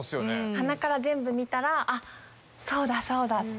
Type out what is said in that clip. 鼻から全部見たらそうだそうだ！って。